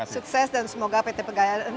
sukses dan semoga pt pegaya